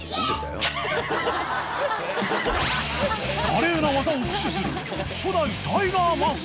［華麗な技を駆使する］